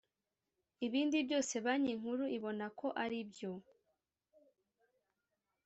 Ibindi byose Banki Nkuru ibona ko ari byo